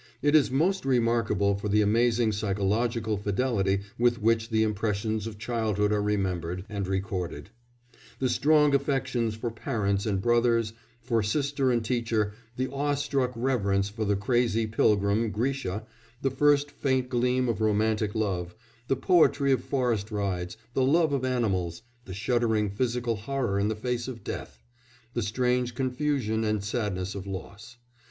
It is most remarkable for the amazing psychological fidelity with which the impressions of childhood are remembered and recorded; the strong affections for parents and brothers, for sister and teacher, the awe struck reverence for the crazy pilgrim, Grisha, the first faint gleam of romantic love, the poetry of forest rides, the love of animals, the shuddering physical horror in the face of death, the strange confusion and sadness of loss.